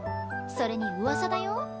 それにうわさだよ？